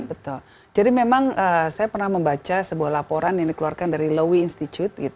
betul jadi memang saya pernah membaca sebuah laporan yang dikeluarkan dari lowy institute